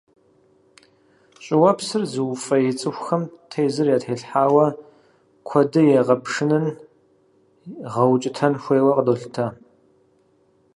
Щӏыуэпсыр зыуфӏей цӏыхухэм тезыр ятелъхьауэ, къуэды егъэпшынын, гъэукӏытэн хуейуэ къыдолъытэ.